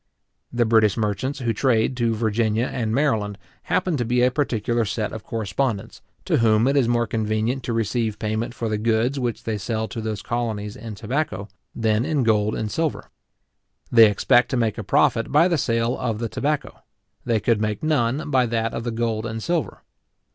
The British merchants who trade to Virginia and Maryland, happen to be a particular set of correspondents, to whom it is more convenient to receive payment for the goods which they sell to those colonies in tobacco, than in gold and silver. They expect to make a profit by the sale of the tobacco; they could make none by that of the gold and silver.